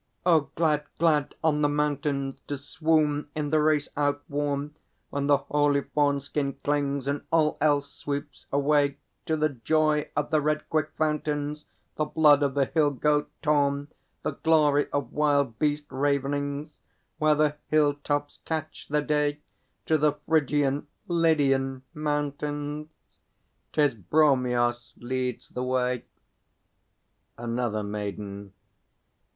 _ O glad, glad on the mountains To swoon in the race outworn, When the holy fawn skin clings, And all else sweeps away, To the joy of the red quick fountains, The blood of the hill goat torn, The glory of wild beast ravenings, Where the hill tops catch the day; To the Phrygian, Lydian, mountains! 'Tis Bromios leads the way. _Another Maiden.